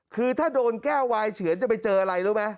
คือถ้าโดนแก้ววายเฉือนจะไปเจออะไรรู้ไหม